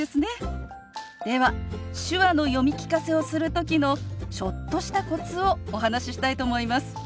では手話の読み聞かせをする時のちょっとしたコツをお話ししたいと思います。